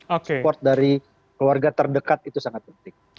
support dari keluarga terdekat itu sangat penting